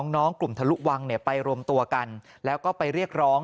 น้องกลุ่มทะลุวังไปรวมตัวกันแล้วก็ไปเรียกร้อง